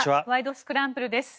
スクランブル」です。